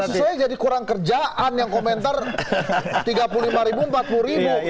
sesuai jadi kurang kerjaan yang komentar tiga puluh lima ribu empat puluh ribu